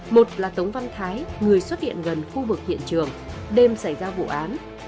một là tống văn thái người xuất hiện gần khu vực hiện trường đêm xảy ra vụ án